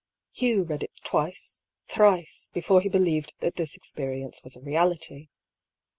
Hugh read it twice, thrice, before he believed that this experience was a reality.